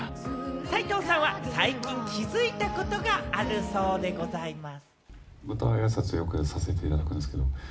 齊藤さんは最近、気づいたことがあるそうでございます。